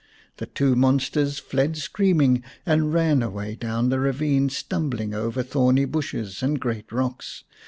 The two monsters fled screaming and ran away down the ravine, stumbling over thorny bushes and great rocks.